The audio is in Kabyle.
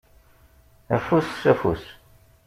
Afus s afus.